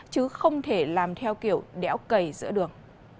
chứ không thể làm theo kiểu đẽo cầy giữa đường